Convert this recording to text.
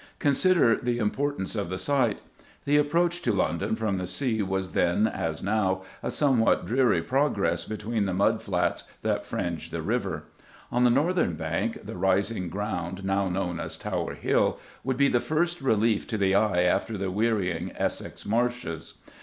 Consider the importance of the site. The approach to London from the sea was then, as now, a somewhat dreary progress between the mud flats that fringed the river. On the northern bank the rising ground, now known as Tower Hill, would be the first relief to the eye after the wearying Essex marshes.